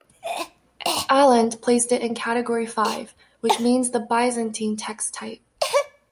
Aland placed it in Category Five, which means the Byzantine text-type.